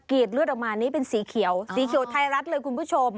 เลือดออกมานี่เป็นสีเขียวสีเขียวไทยรัฐเลยคุณผู้ชม